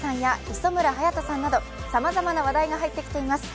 磯村勇斗さんなどさまざまな話題が入ってきています。